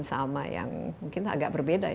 sama yang mungkin agak berbeda